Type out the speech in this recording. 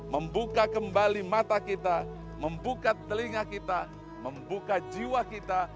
membuka kembali mata kita membuka telinga kita membuka jiwa kita